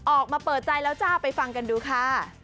ออกมาเปิดใจแล้วจ้าไปฟังกันดูค่ะ